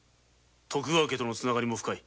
徳川家とつながりも深い。